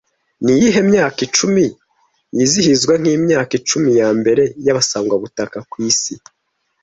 Niyihe myaka icumi yizihizwa nkimyaka icumi yambere yabasangwabutaka ku isi